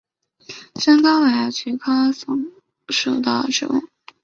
山蒿为菊科蒿属的植物。